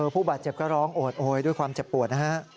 ผู้บาดเจ็บก็ร้องโอดโอยด้วยความเจ็บปวดนะฮะ